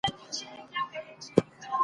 راته ګران دي